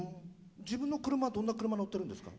自分の車どんな車乗ってるんですか？